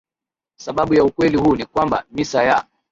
Sababu ya ukweli huu ni kwamba misa ya